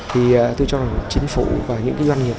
tôi cho rằng chính phủ và doanh nghiệp